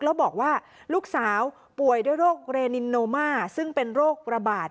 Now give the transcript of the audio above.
แล้วบอกว่าลูกสาวป่วยด้วยโรคเรนินโนมาซึ่งเป็นโรคระบาด